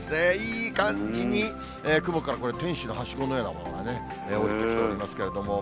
いい感じに、雲からこれ、天使のはしごのようなものが下りてきておりますけれども。